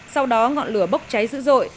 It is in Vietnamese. sau đó ngọn lửa bốc cháy dữ dội